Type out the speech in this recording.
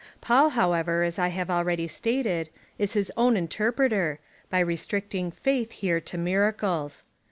Paul, however, as I have already stated, is his own inter preter, by restricting faith, here, to miracles.